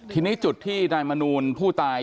ทีนี้จุดที่นายมนูลผู้ตาย